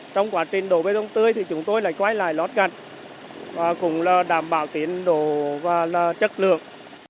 trong quá trình đổ bê tông tươi thì chúng tôi lại quay lại lót chặt và cũng là đảm bảo tiến độ và chất lượng